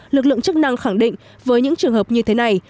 lực lượng chức năng khẳng định với những trường hợp như thế này